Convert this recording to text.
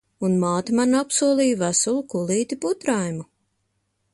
Un māte man apsolīja veselu kulīti putraimu.